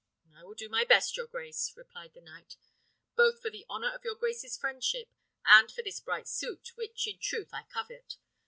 "I will do my best, your grace," replied the knight, "both for the honour of your grace's friendship, and for this bright suit, which in truth I covet.